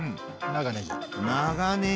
長ねぎだ。